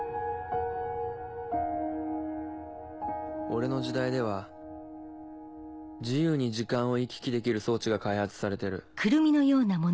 俺の時代では自由に時間を行き来できる装置が開発されてる。